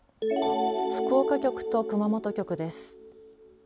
福岡局と熊本局です。